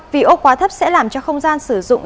vì ô quá thấp sẽ làm cho không gian sử dụng